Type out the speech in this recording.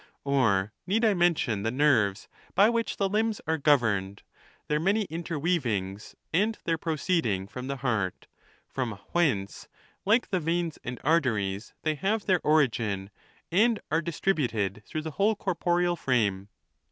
309 the nerves, by which the limbs are governed — their many iuterweavings, and their proceeding'from the heart,' from whence, lilie the veins and arteries, they have their origin, and are distributed through the whole corporeal frame"?